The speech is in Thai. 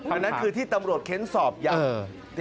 อันนั้นคือที่ตำรวจเข็นสอบใย